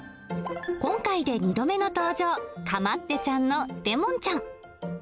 今回で２度目の登場、かまってちゃんのレモンちゃん。